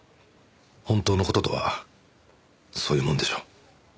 本当の事とはそういうもんでしょう。